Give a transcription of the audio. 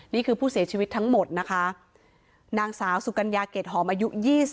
นี่คือผู้เสียชีวิตทั้งหมดนะคะนางสาวสุกัญญาเกร็ดหอมอายุ๒๐